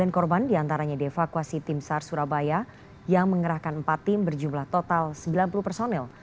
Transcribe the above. sembilan korban diantaranya dievakuasi tim sar surabaya yang mengerahkan empat tim berjumlah total sembilan puluh personel